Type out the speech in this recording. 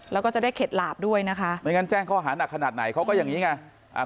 แล้วก็จะได้เข็ดหลาบด้วยนะคะไม่งั้นแจ้งข้อหานักขนาดไหนเขาก็อย่างนี้ไง